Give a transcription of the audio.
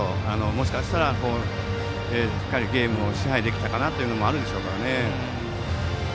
もしかしたらゲームを支配できたかなというのはあるでしょうからね。